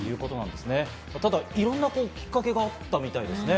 ただ、いろんなきっかけがあったみたいですね。